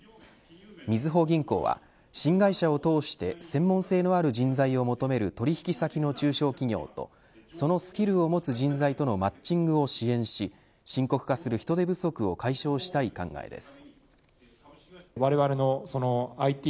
みずほ銀行は新会社を通して専門性のある人材を求める取引先の中小企業とそのスキルを持つ人材とのマッチングを支援し、深刻化する人手不足を解消したい考えです。